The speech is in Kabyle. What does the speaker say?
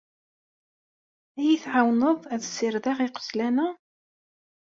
Ad yi-tɛawneḍ ad ssirdeɣ iqeslan-a?